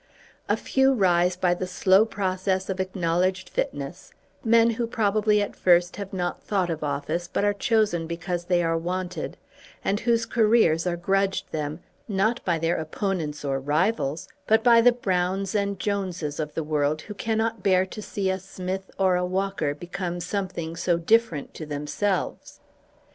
A few rise by the slow process of acknowledged fitness, men who probably at first have not thought of office but are chosen because they are wanted, and whose careers are grudged them, not by their opponents or rivals, but by the Browns and Joneses of the world who cannot bear to see a Smith or a Walker become something so different to themselves.